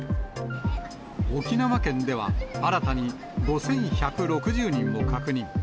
沖縄県では、新たに５１６０人を確認。